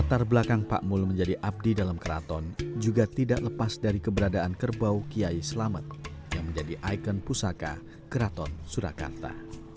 latar belakang pak mul menjadi abdi dalam keraton juga tidak lepas dari keberadaan kerbau kiai selamet yang menjadi ikon pusaka keraton surakarta